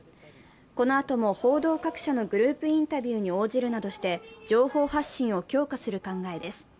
このあとも報道各社のグループインタビューに応じるなどして情報発信を強化する考えです。